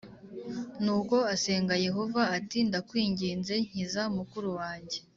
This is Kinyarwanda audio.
Nuko asenga Yehova ati ndakwinginze nkiza mukuru wanjye